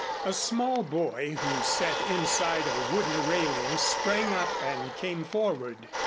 A small boy who sat inside a wooden railing, sprang up and came forward.